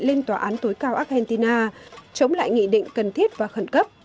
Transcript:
lên tòa án tối cao argentina chống lại nghị định cần thiết và khẩn cấp